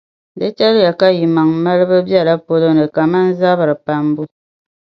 Di chɛliya ka yimaŋ’ malibu bela paloni kaman zabiri pambu.